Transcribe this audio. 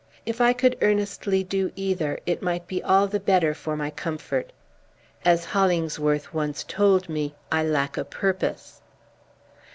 If I could earnestly do either, it might be all the better for my comfort. As Hollingsworth once told me, I lack a purpose.